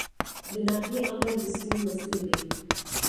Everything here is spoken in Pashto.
د ناحیې آمر د سیمې مسوول دی